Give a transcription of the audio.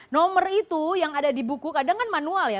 nomor itu yang ada di buku kadang kan manual ya